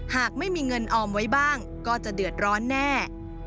หากไม่มีเงินออมไว้บ้างก็จะเดือดร้อนแน่